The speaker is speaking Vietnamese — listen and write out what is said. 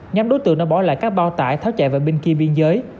nhóm đối tượng đã bỏ lại các bao tải tháo chạy vào bên kia biên giới